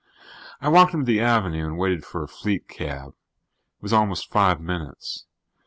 I walked him to the avenue and waited for a fleet cab. It was almost five minutes.